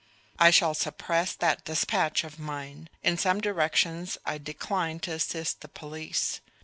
I shall suppress that despatch of mine. In some directions I decline to assist the police.